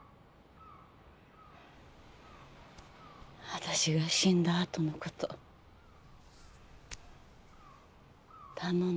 私が死んだあとのこと頼んどいた。